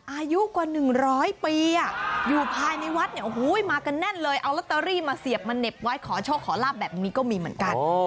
อายุกว่า๑๐๐ปีอยู่ภายในวัดเนี่ยโอ้โหมากันแน่นเลยเอาลอตเตอรี่มาเสียบมาเหน็บไว้ขอโชคขอลาบแบบนี้ก็มีเหมือนกัน